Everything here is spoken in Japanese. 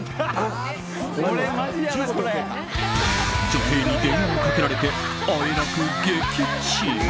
女性に電話をかけられてあえなく撃沈。